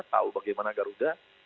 tahu bagaimana garuda